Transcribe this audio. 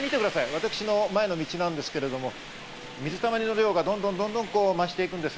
私の前の道なんですが、水たまりの量がどんどん増していくんです